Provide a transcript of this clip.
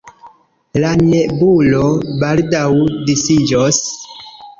La nebulo baldaŭ disiĝos.